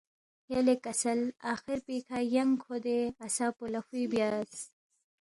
“ یلے کسل آخر پیکھہ ینگ کھو دے عصا پو لہ فُوی بیاس